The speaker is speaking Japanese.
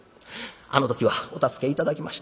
「あの時はお助け頂きました。